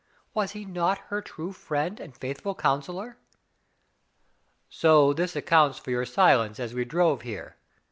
Was he not her true friend and faithful counselor? "So this accounts for your silence as we drove here.